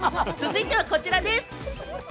続いては、こちらです。